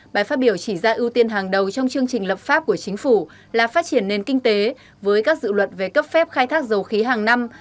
bài phát biểu chỉ ra ưu tiên hàng đầu trong chương trình lập pháp của chính phủ là phát triển nền kinh tế với các dự luật về cấp phép khai thác dầu khí hàng năm